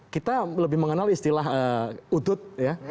kita lebih mengenal istilah udut ya